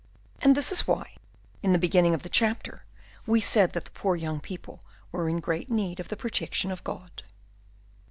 And this is why, in the beginning of the chapter, we said that the poor young people were in great need of the protection of God.